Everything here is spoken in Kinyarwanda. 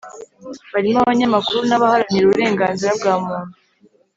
barimo abanyamakuru n abaharanira uburenganzira bwa Muntu